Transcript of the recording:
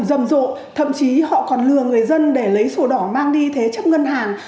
rầm rộ thậm chí họ còn lừa người dân để lấy sổ đỏ mang đi thế chấp ngân hàng